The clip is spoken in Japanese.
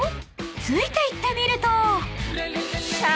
［ついていってみると］